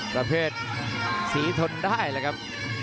ประเภทสีทนได้แหละครับ